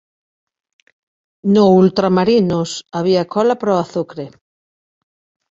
No ultramarinos había cola para o azucre.